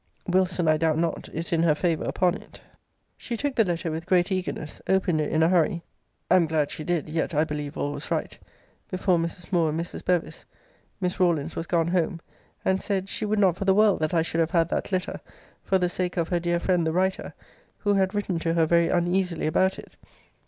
Wilson, I doubt not, is in her favour upon it. She took the letter with great eagerness; opened it in a hurry, [am glad she did; yet, I believe, all was right,] before Mrs. Moore and Mrs. Bevis, [Miss Rawlins was gone home;] and said, she would not for the world that I should have had that letter, for the sake of her dear friend the writer, who had written to her very uneasily about it.